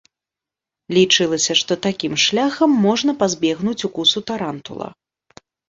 Лічылася, што такім шляхам можна пазбегнуць укусу тарантула.